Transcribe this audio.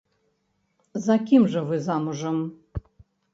За кім жа вы замужам?